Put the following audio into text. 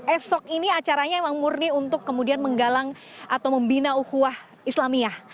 esok ini acaranya emang murni untuk kemudian menggalang atau membina uhuah islamiyah